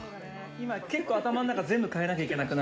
今結構頭ん中全部変えなきゃいけなくなるよね